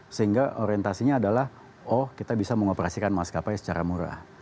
sehingga orientasinya adalah oh kita bisa mengoperasikan maskapai secara murah